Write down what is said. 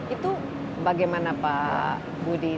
itu bagaimana pak budi